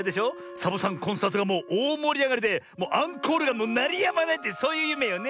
サボさんコンサートがもうおおもりあがりでもうアンコールがなりやまないってそういうゆめよね？